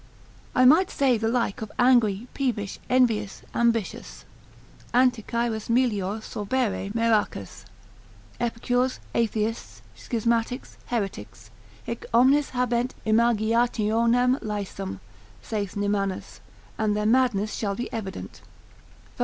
I might say the like of angry, peevish, envious, ambitious; Anticyras melior sorbere meracas; Epicures, Atheists, Schismatics, Heretics; hi omnes habent imaginationem laesam (saith Nymannus) and their madness shall be evident, 2 Tim.